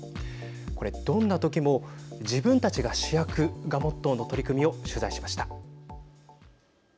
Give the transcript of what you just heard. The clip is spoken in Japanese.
これ、どんな時も自分たちが主役がモットーの取り組みを取材しました。